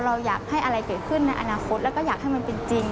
เราอยากให้อะไรเกิดขึ้นในอนาคตแล้วก็อยากให้มันเป็นจริง